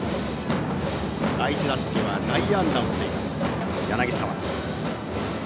第１打席は内野安打を打っています、柳澤。